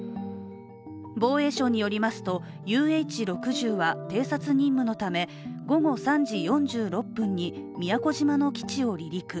防衛省によりますとＵＨ６０は偵察任務のため、午後３時４６分に宮古島の基地を離陸。